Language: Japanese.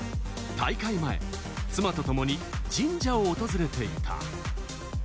大会前、妻とともに神社を訪れていた。